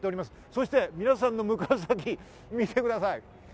そして皆さんの向かう先、見てください。